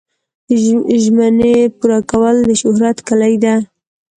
د ژمنې پوره کول د شهرت کلي ده.